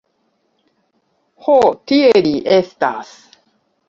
Ho tie li estas.